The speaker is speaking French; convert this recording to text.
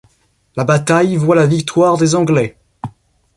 La bataille voit la victoire des Anglais.